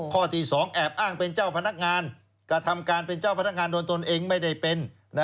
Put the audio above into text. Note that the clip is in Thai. ข้อที่๒แอบอ้างเป็นเจ้าพนักงานกระทำการเป็นเจ้าพนักงานโดยตนเองไม่ได้เป็น